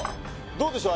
どうでしょう？